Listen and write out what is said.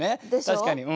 確かに。